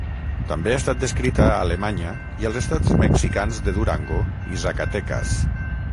També ha estat descrita a Alemanya i als estats mexicans de Durango i Zacatecas.